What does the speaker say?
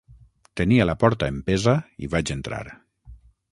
Tenia la porta empesa i vaig entrar.